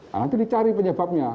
nah nanti dicari penyebabnya